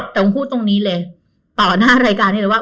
แต่ผมพูดตรงนี้เลยต่อหน้ารายการนี้เลยว่า